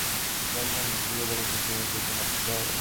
El álbum incluía varias canciones de temática bastante inusual.